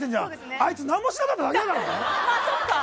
あいつ何もしなかっただけだからね。